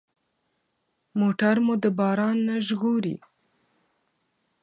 موټر مو د باران نه ژغوري.